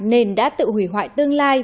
nên đã tự hủy hoại tương lai